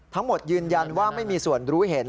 ทั้งหมดยืนยันว่าไม่มีส่วนรู้เห็น